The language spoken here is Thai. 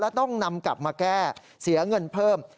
แล้วต้องนำกลับมาแก้เสียเงินเพิ่ม